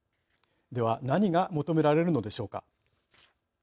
では何が求められるのでしょうか。